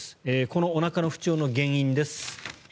このおなかの不調の原因です。